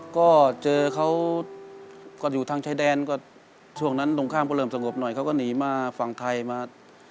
ก็เจอเขาก็อยู่ทางชายแดนก็ช่วงนั้นตรงข้ามก็เริ่มสงบหน่อยเขาก็หนีมาฝั่งไทยมา